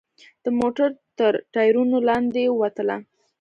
د موټر تر ټایرونو لاندې ووتله.